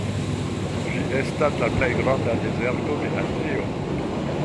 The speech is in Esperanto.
Ĝi estas la plej granda dezerto de Azio.